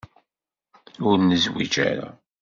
Ur nezwiǧ ara.